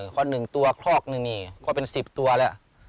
คือหนึ่งตัวคลอกหนึ่งนี่คือ๑๐ตัวแล้ว